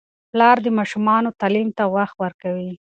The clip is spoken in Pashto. پلار د ماشومانو تعلیم ته وخت ورکوي.